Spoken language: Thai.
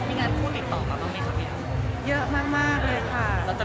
มีงานพูดอีกต่อมาตรงนี้ค่ะ